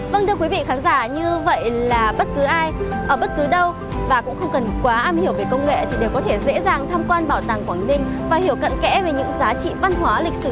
vâng thưa quý vị khán giả như vậy là bất cứ ai ở bất cứ đâu và cũng không cần quá am hiểu về công nghệ thì đều có thể dễ dàng tham quan bảo tàng quảng ninh và hiểu cận kẽ về những giá trị văn hóa lịch sử